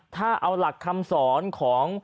ถ้าเอาหลักคำสอนของ